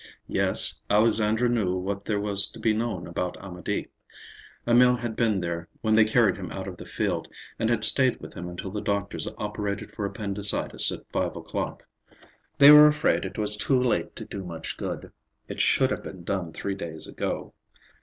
Yes, Alexandra knew what there was to be known about Amédée. Emil had been there when they carried him out of the field, and had stayed with him until the doctors operated for appendicitis at five o'clock. They were afraid it was too late to do much good; it should have been done three days ago.